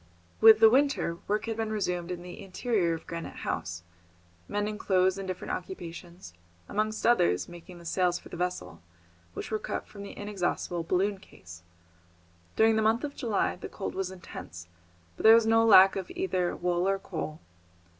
With the winter, work had been resumed in the interior of Granite House, mending clothes and different occupations, amongst others making the sails for their vessel, which were cut from the inexhaustible balloon case. During the month of July the cold was intense, but there was no lack of either wood or coal.